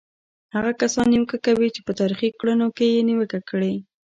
هغه کسان نیوکه کوي چې په تاریخي کړنو کې یې نیوکه کړې.